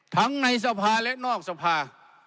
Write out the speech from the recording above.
ทั้งในสภาและนอกสภา